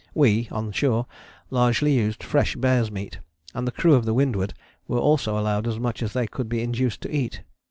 We [on shore] largely used fresh bear's meat, and the crew of the Windward were also allowed as much as they could be induced to eat.